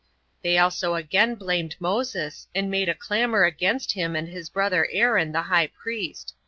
They also again blamed Moses, and made a clamor against him and his brother Aaron, the high priest.